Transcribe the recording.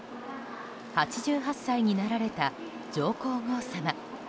８８歳になられた上皇后さま。